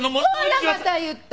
ほらまた言った！